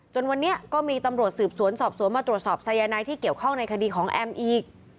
วันนี้ก็มีตำรวจสืบสวนสอบสวนมาตรวจสอบสายนายที่เกี่ยวข้องในคดีของแอมอีก